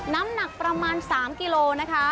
น้ำหนักประมาณ๓กิโลนะคะ